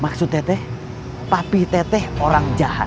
maksud teteh papi teteh orang jahat